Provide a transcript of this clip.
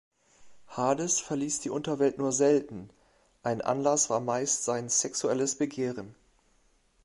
Hades verließ die Unterwelt nur selten; ein Anlass war meist sein sexuelles Begehren.